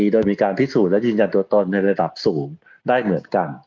โดยมีการพิสูจน์และยืนยันตัวตนในระดับสูงได้เหมือนกัน